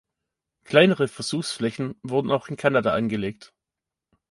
Kleinere Versuchsflächen wurden auch in Kanada angelegt.